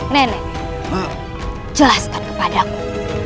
nenek jelaskan kepadaku